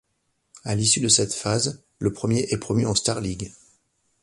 À l'issue de cette phase, le premier est promu en Starligue.